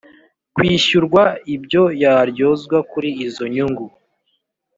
kwishyurwa ibyo yaryozwa Kuri izo nyungu